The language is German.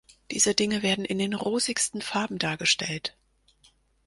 Diese Dinge werden in den rosigsten Farben dargestellt.